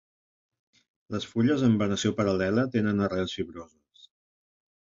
Les fulles amb venació paral·lela tenen arrels fibroses.